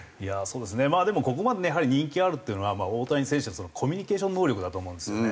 でもここまでやはり人気あるっていうのは大谷選手のコミュニケーション能力だと思うんですよね。